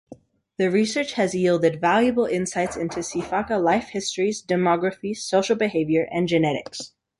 The research has yielded valuable insights into sifaka life-histories, demography, social behavior, and genetics.